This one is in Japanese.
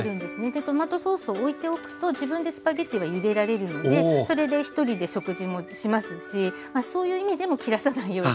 トマトソースをおいておくと自分でスパゲッティはゆでられるのでそれで１人で食事もしますしそういう意味でも切らさないようにしています。